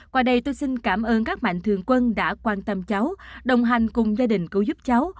qua đây tôi xin cảm ơn các mạnh thường quân đã quan tâm cháu đồng hành cùng gia đình cứu giúp cháu